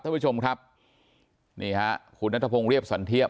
ท่านผู้ชมครับนี่ฮะคุณนัทพงศ์เรียบสันเทียบ